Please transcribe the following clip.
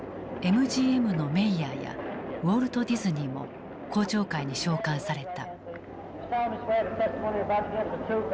ＭＧＭのメイヤーやウォルト・ディズニーも公聴会に召喚された。